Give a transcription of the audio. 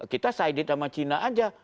kita side sama cina aja